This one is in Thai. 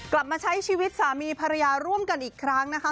กลับมาใช้ชีวิตสามีภรรยาร่วมกันอีกครั้งนะคะ